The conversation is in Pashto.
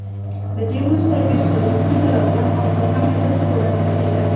له دې وروسته بېرته روغتون ته راغلم او پښه مې ورځ په ورځ رغېده.